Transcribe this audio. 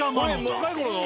これ若いころの？